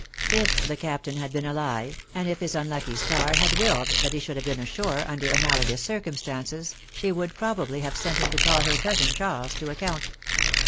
If the Captain had been alive, and if his unlucky star had willed that he should have been ashore. 286 philom^ne's mabriages. under analogous circumstances, slie would probably have sent him to call her cousin Charles to account.